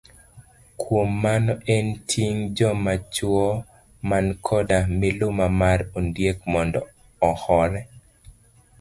Kuom mano en ting' joma chuo man koda miluma mar ondiek mondo ohore.